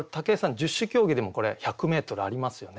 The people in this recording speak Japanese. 十種競技でもこれ１００メートルありますよね？